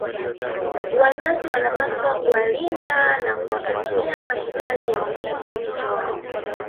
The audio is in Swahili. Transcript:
Wazazi wanawapaswa kuwalinda na kuwapatia mahitaji ya muhimu watoto wao